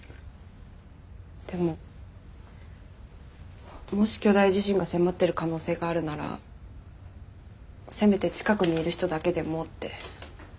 でももし巨大地震が迫ってる可能性があるならせめて近くにいる人だけでもって。